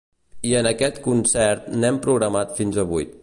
I en aquest concert n’hem programat fins a vuit.